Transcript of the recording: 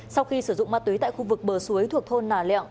sau khi sử dụng ma túy tại khu vực bờ suối thuộc thôn nà lẹo